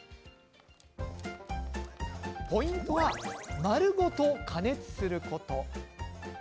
ポイントは丸ごと加熱すること。